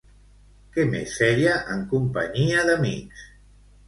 Què més feia en companyia d'amics?